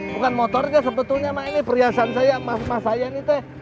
bukan motornya sebetulnya mah ini perhiasan saya sama saya ini teh